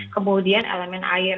kemudian elemen air